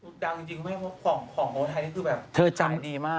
อุดดังจริงเพราะว่าของโรงไทยที่คือแบบ